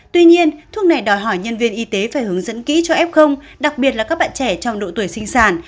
tuy nhiên thuốc này đòi hỏi nhân viên y tế phải hướng dẫn kỹ cho f đặc biệt là các bạn trẻ trong độ tuổi sinh sản